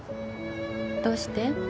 どうして？